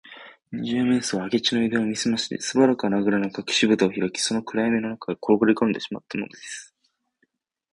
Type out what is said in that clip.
二十面相は明智のゆだんを見すまして、すばやく穴ぐらのかくしぶたをひらき、その暗やみの中へころがりこんでしまったのです